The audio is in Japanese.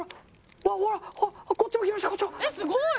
「えっすごい！